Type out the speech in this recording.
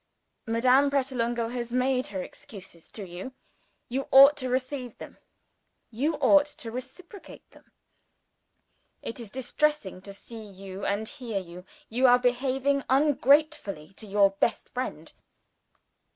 "Madame Pratolungo has made her excuses to you. You ought to receive them; you ought to reciprocate them. It is distressing to see you and hear you. You are behaving ungratefully to your best friend."